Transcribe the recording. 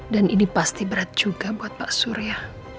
dan ini pasti berat juga buat pak surya